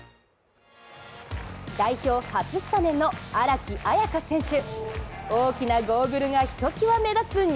代表初スタメンの荒木彩花選手。